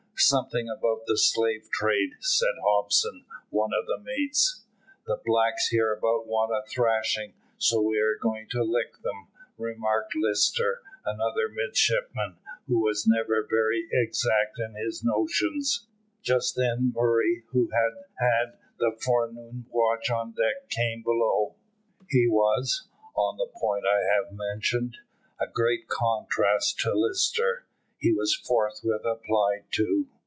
"Something about the slave trade," said Hobson, one of the mates. "The blacks hereabouts want a thrashing, so we are going to lick them," remarked Lister, another midshipman, who was never very exact in his notions. Just then Murray, who had had the forenoon watch on deck, came below. He was, on the point I have mentioned, a great contrast to Lister. He was forthwith applied to.